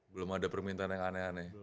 belum ada permintaan yang aneh aneh